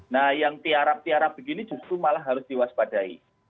nah yang tiarap tiara begini justru malah harus diwaspadai